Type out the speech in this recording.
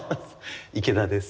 池田です。